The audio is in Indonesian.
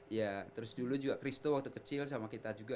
ya terus dulu juga christo waktu kecil sama kita juga